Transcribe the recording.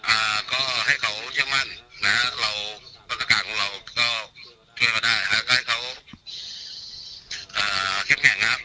อ่าก็ให้เขาเชื่อมั่นนะฮะเรามาตรการของเราก็ช่วยเขาได้ฮะก็ให้เขาอ่าเข้มแข็งนะครับ